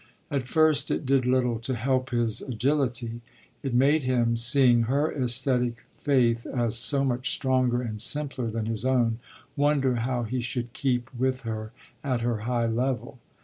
At first it did little to help his agility it made him, seeing her esthetic faith as so much stronger and simpler than his own, wonder how he should keep with her at her high level.